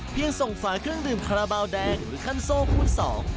เพียงส่งฝ่าเครื่องดื่มพระเบาแดงหรือคันโซพูดสอง